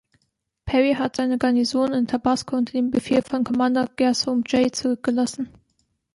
Perry hat seine Garnison in Tabasco unter dem Befehl von Commander Gershom J. zurückgelassen.